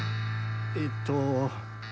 えっと。